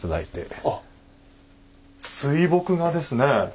あっ水墨画ですね。